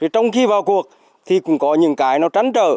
trong khi vào cuộc thì cũng có những cái nó trắn trở